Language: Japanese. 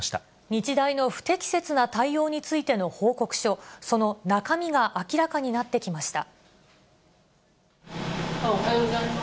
日大の不適切な対応についての報告書、その中身が明らかになおはようございます。